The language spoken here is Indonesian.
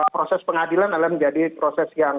proses pengadilan adalah menjadi proses yang